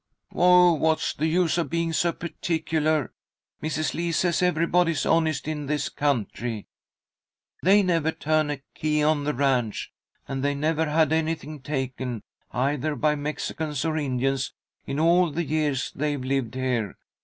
"Oh, what's the use of being so particular! Mrs. Lee says everybody is honest out in this country. They never turn a key on the ranch, and they've never had anything taken either by Mexicans or Indians in all the years they've lived here.